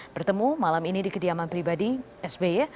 bertemu malam ini di kediaman pribadi sby